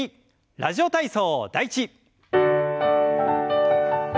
「ラジオ体操第１」。